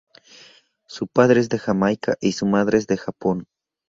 Su padre es de Jamaica y su madre es de Japón.